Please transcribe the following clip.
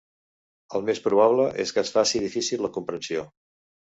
El més probable és que es faci difícil la comprensió.